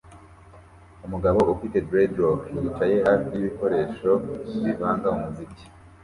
Umugabo ufite dreadlock yicaye hafi yibikoresho bivanga umuziki